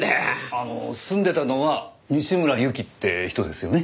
あの住んでたのは西村由季って人ですよね？